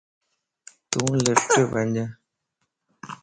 تون لفٽم وڃ